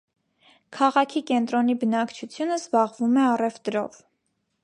Քաղաքի կենտրոնի բնակչությունն զբաղվում է առևտրով։